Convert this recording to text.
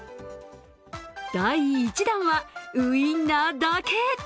第１弾はウインナーだけ。